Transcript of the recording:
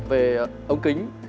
về ống kính